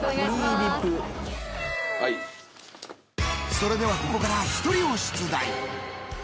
それではここから１人を出題。